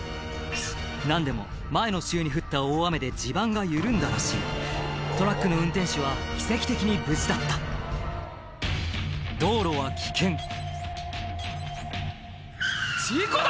何でも前の週に降った大雨で地盤が緩んだらしいトラックの運転手は奇跡的に無事だった道路は危険事故だ！